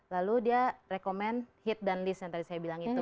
lalu dia rekomen hit dan list yang tadi saya bilang itu